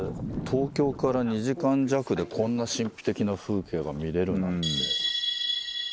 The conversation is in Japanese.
東京から２時間弱でこんな神秘的な風景が見れるなんて。